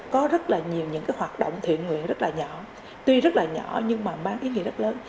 có rất là nhiều những cái hoạt động thiện nguyện rất là nhỏ tuy rất là nhỏ nhưng mà mang ý nghĩa rất lớn